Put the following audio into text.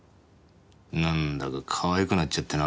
なんだか可愛くなっちゃってなぁ。